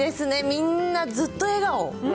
みんなずっと笑顔。